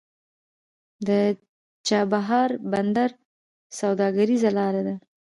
د چابهار بندر سوداګریزه لاره ده